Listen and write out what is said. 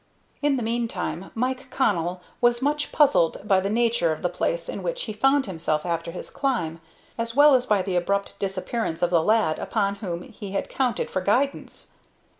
In the meantime Mike Connell was much puzzled by the nature of the place in which he found himself after his climb, as well as by the abrupt disappearance of the lad upon whom he had counted for guidance.